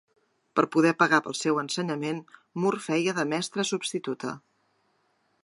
Per poder pagar pel seu ensenyament, Moore feia de mestra substituta.